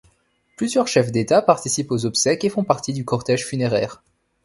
Plusieurs chefs d'État participent aux obsèques et font partie du cortège funéraire.